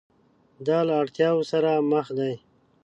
دا له اړتیاوو سره مخ دي.